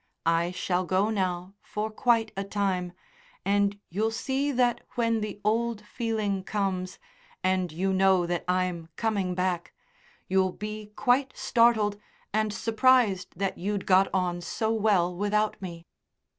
I shall go now for quite a time, and you'll see that when the old feeling comes, and you know that I'm coming back, you'll be quite startled and surprised that you'd got on so well without me.